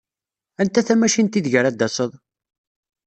Anta tamacint ideg ara d-taseḍ?